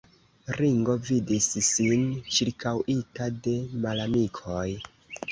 Ringo vidis sin ĉirkaŭita de malamikoj.